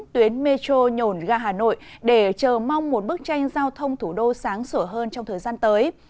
tuyến metro nhổn ga hà nội để chờ mong một bức tranh giao thông thủ đô sáng sủa hơn trong thời gian tới